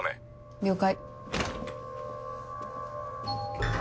了解。